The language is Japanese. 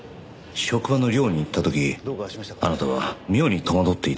職場の寮に行った時あなたは妙に戸惑っていて。